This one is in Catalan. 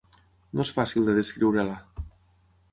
No és fàcil de descriure-la